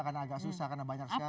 karena agak susah karena banyak sekali